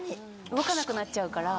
動かなくなっちゃうから。